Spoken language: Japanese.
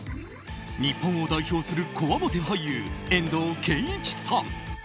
日本を代表するこわもて俳優遠藤憲一さん。